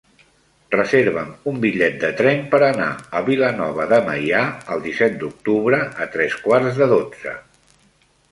Reserva'm un bitllet de tren per anar a Vilanova de Meià el disset d'octubre a tres quarts de dotze.